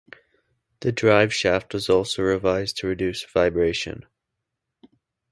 The driveshaft was also revised to reduce vibration.